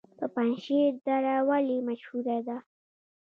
د پنجشیر دره ولې مشهوره ده؟